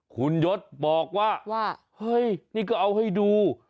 คุณยศบอกว่าว่าเฮ้ยนี่ก็เอาให้ดู